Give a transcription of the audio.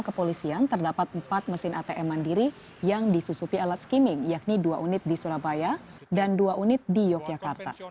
kepolisian terdapat empat mesin atm mandiri yang disusupi alat skimming yakni dua unit di surabaya dan dua unit di yogyakarta